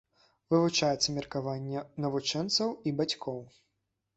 Вывучаецца меркаванне навучэнцаў і бацькоў.